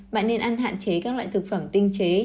bạn nên ăn hạn chế các loại thực phẩm tinh chế